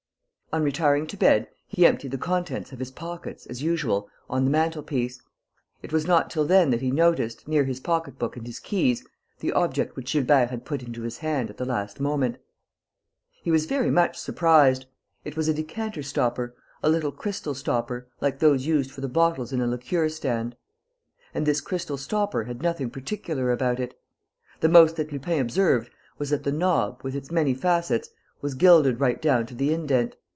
On retiring to bed, he emptied the contents of his pockets, as usual, on the mantel piece. It was not till then that he noticed, near his pocketbook and his keys, the object which Gilbert had put into his hand at the last moment. And he was very much surprised. It was a decanter stopper, a little crystal stopper, like those used for the bottles in a liqueur stand. And this crystal stopper had nothing particular about it. The most that Lupin observed was that the knob, with its many facets, was gilded right down to the indent.